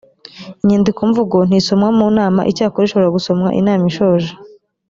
inyandikomvugo ntisomwa mu nama icyakora ishobora gusomwa inam ishoje